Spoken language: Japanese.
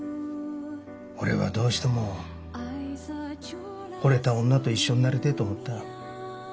俺はどうしてもほれた女と一緒になりてえと思った。